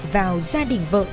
vào gia đình vợ